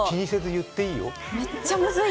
めっちゃ難しい。